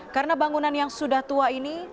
karena bangunan yang sudah tua ini